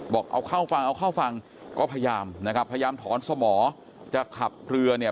บอกเอาเข้าฟังเอาเข้าฝั่งก็พยายามนะครับพยายามถอนสมอจะขับเรือเนี่ย